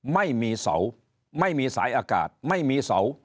ไม่มีเสาไม่มีสายอากาศไม่มีเสา